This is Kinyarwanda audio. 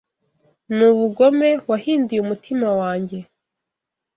Nubugome wahinduye Umutima wanjye